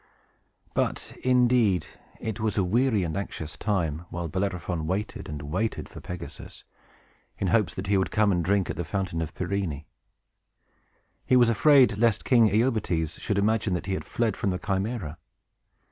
But, indeed, it was a weary and anxious time, while Bellerophon waited and waited for Pegasus, in hopes that he would come and drink at the Fountain of Pirene. He was afraid lest King Iobates should imagine that he had fled from the Chimæra.